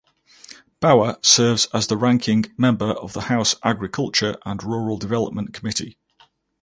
Bauer serves as the ranking member of the House Agriculture and Rural Development Committee.